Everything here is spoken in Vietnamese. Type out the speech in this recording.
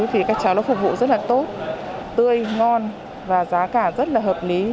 thì các cháu nó phục vụ rất là tốt tươi ngon và giá cả rất là hợp lý